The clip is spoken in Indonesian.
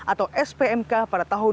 atau spmk pada tahun dua ribu empat belas